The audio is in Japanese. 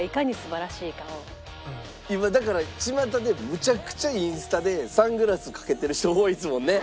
今だからちまたでむちゃくちゃインスタでサングラスかけてる人多いですもんね。